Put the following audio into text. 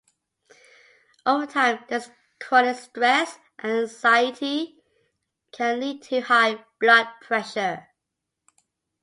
Over time, this chronic stress and anxiety can lead to high blood pressure.